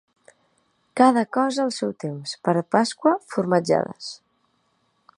Cada cosa al seu temps; per Pasqua, formatjades.